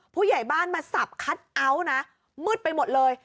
ผู้ใหญ่บ้านมาสับคัทเอาท์นะมืดไปหมดเลย